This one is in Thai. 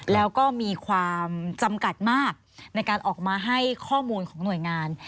แล้วก็มีความจำกัดมากในการออกมาให้ข้อมูลของหน่วยงาน